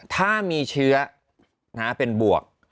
ถ้ามีเชื้อเป็นบวก